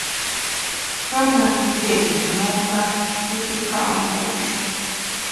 Pe me ngbé’ mongep i pi ka’ mbu’she.